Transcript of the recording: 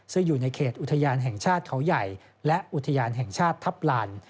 ซึ่งอยู่ในเขตอุทยานแห่งชาติเขาใหญ่และอุทยานแห่งชาติทัพลาน